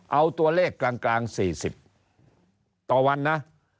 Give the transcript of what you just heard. เอาตัวเลขกลาง๔๐ต่อวันนะ